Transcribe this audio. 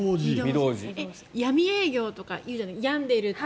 闇営業とかいうじゃない。